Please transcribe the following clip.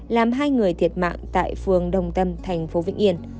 làm hai người thiệt mạng tại phường đồng tâm thành phố vĩnh yên